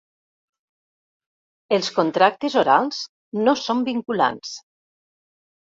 Els contractes orals no són vinculants.